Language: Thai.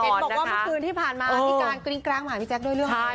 บอกว่าเมื่อคืนที่ผ่านมาพี่การกริ้งกร้างมาหาพี่แจ๊คด้วยเรื่องอะไร